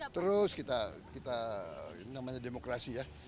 terus kita namanya demokrasi ya